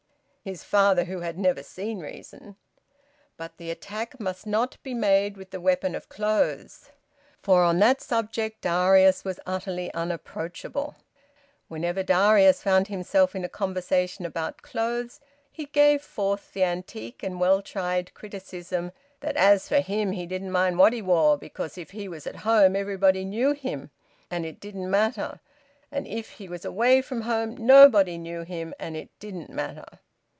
(His father who had never seen reason!) But the attack must not be made with the weapon of clothes, for on that subject Darius was utterly unapproachable. Whenever Darius found himself in a conversation about clothes, he gave forth the antique and well tried witticism that as for him he didn't mind what he wore, because if he was at home everybody knew him and it didn't matter, and if he was away from home nobody knew him and it didn't matter.